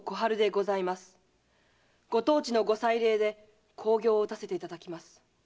ご当地のご祭礼で興行を打たせていただきます。